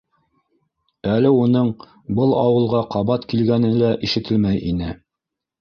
Әле уның был ауылға ҡабат килгәне лә ишетелмәй ине.